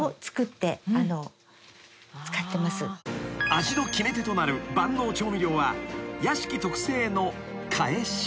［味の決め手となる万能調味料はやしき特製のかえし］